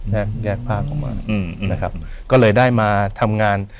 แยกแยกผ้าออกมาอืมนะครับก็เลยได้มาทำงาน